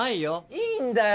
いいんだよ